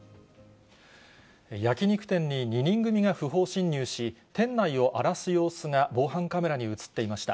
焼き肉店に２人組が不法侵入し、店内を荒らす様子が防犯カメラに写っていました。